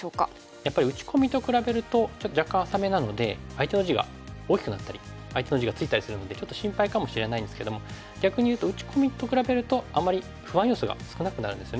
やっぱり打ち込みと比べるとちょっと若干浅めなので相手の地が大きくなったり相手の地がついたりするのでちょっと心配かもしれないんですけども逆にいうと打ち込みと比べるとあまり不安要素が少なくなるんですよね。